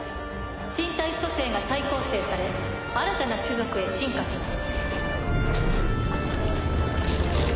身体組成が再構成され新たな種族へ進化します。